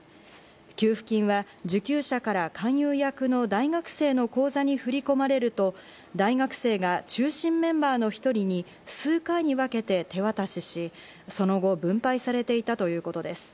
給付金は、受給者から勧誘役の大学生の口座に振り込まれると、大学生が中心メンバーの１人に数回に分けて手渡しし、その後、分配されていたということです。